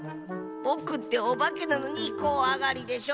ぼくっておばけなのにこわがりでしょ。